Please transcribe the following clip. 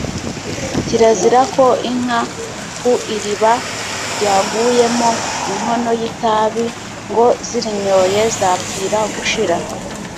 Kirazira ko inka ku iriba ryaguyemo inkono y’itabi, ngo zirinyoye zapfira gushira